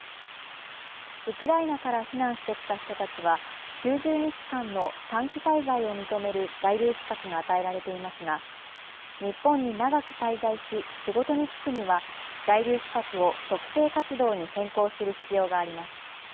ウクライナから避難してきた人たちは９０日間の短期滞在を認める在留資格が与えられていますが日本に長く滞在し仕事に就くには在留資格を特定活動に変更する必要があります。